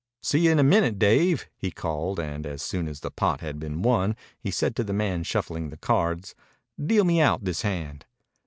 "See you in a minute, Dave," he called, and as soon as the pot had been won he said to the man shuffling the cards, "Deal me out this hand."